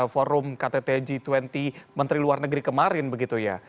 forum ktt g dua puluh menteri luar negeri kemarin begitu ya